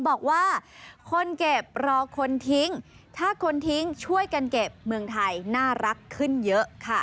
บอกว่าคนเก็บรอคนทิ้งถ้าคนทิ้งช่วยกันเก็บเมืองไทยน่ารักขึ้นเยอะค่ะ